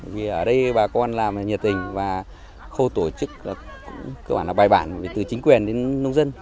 vì ở đây bà con làm nhiệt tình và khâu tổ chức cũng bài bản từ chính quyền đến nông dân